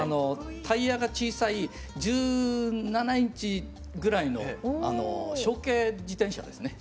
タイヤが小さい１７インチぐらいの小径自転車ですね。